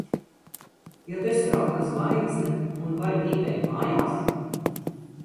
Jo tu esi roka zvaigzne un vari pīpēt mājās?